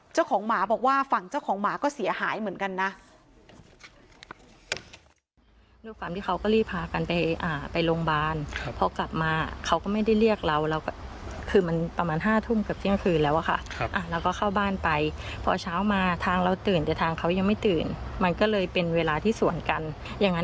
เจ้าของหมาบอกว่าฝั่งเจ้าของหมาก็เสียหายเหมือนกันนะ